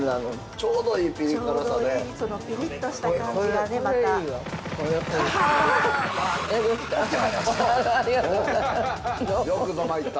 ◆ちょうどいいそのピリッとした感じがね、また。